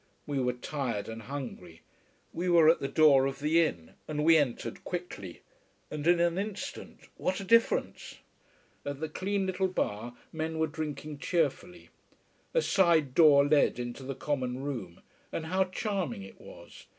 We were tired and hungry. We were at the door of the inn, and we entered quickly. And in an instant, what a difference! At the clean little bar, men were drinking cheerfully. A side door led into the common room. And how charming it was.